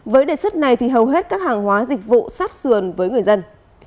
với đề xuất này thì hầu hết các hàng hóa dịch vụ sát sườn với người dân